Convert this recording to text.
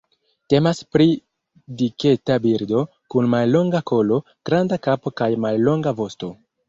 Temas pri diketa birdo, kun mallonga kolo, granda kapo kaj mallonga vosto.